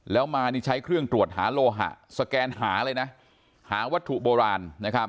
แล้วมานี่ใช้เครื่องตรวจหาโลหะสแกนหาเลยนะหาวัตถุโบราณนะครับ